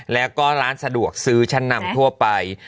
แล้วก็ร้านสะดวกซื้อชั้นนำทั่วไป